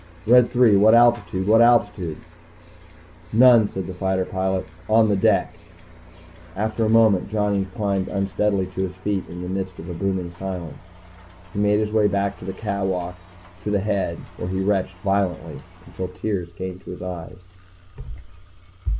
"Red Three, what altitude? What altitude?" "None," said the fighter pilot. "On the deck." After a moment, Johnny climbed unsteadily to his feet in the midst of a booming silence. He made his way back along the catwalk to the head, where he retched violently until the tears came to his eyes.